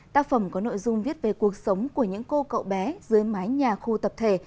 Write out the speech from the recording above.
tác phẩm có nội dung viết về cuộc sống của những cô cậu bé dưới mái nhà khu tập thể